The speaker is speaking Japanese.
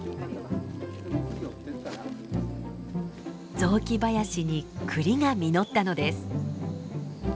雑木林に栗が実ったのです。